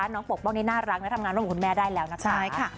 น้องปกป้องนี่น่ารักทำงานร่วมคุณแม่ได้แล้วนะคะ